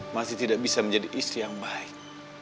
masih tidak bisa menjadi istri yang baik